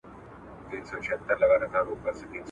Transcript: د شهیدانو شمېر معلوم نه دی ..